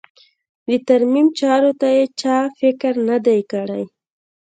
د ترمیم چارو ته یې چا فکر نه دی کړی.